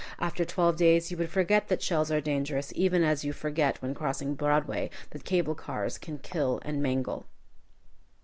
After twelve days you would forget that shells are dangerous even as you forget when crossing Broadway that cable cars can kill and mangle.